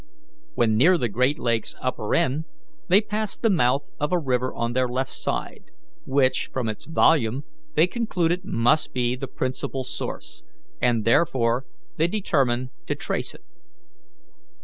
When near the great lake's upper end, they passed the mouth of a river on their left side, which, from its volume, they concluded must be the principal source, and therefore they determined to trace it.